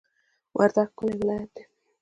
وردګ ښکلی ولایت دی